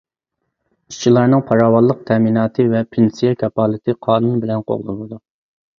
ئىشچىلارنىڭ پاراۋانلىق تەمىناتى ۋە پېنسىيە كاپالىتى قانۇن بىلەن قوغدىلىدۇ.